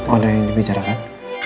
ada yang dibicarakan